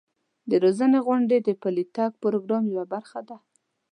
د روزنې غونډې د پلي تګ پروګرام یوه برخه ده.